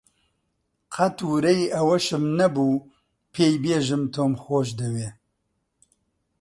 قەت ورەی ئەوەشم نەبوو پێی بێژم تۆم خۆش دەوێ